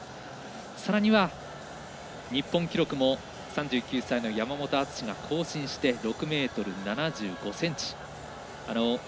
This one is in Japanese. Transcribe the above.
さらには日本記録も３９歳の山本篤が更新して、６ｍ７５ｃｍ。